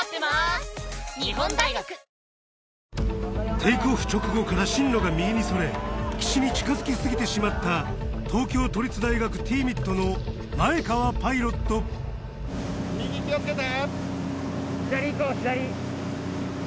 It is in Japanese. テイクオフ直後から進路が右にそれ岸に近づき過ぎてしまった東京都立大学Ｔ−ＭＩＴの右気をつけて！